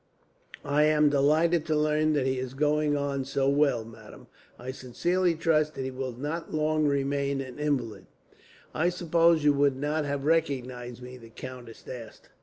"I am delighted to learn that he is going on so well, madame. I sincerely trust that he will not long remain an invalid." "I suppose you would not have recognized me?" the countess asked.